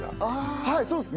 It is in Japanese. はいそうです。